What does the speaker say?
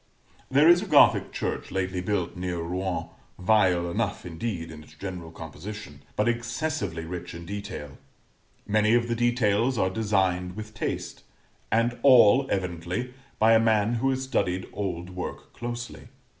There is a Gothic church lately built near Rouen, vile enough, indeed, in its general composition, but excessively rich in detail; many of the details are designed with taste, and all evidently by a man who has studied old work closely.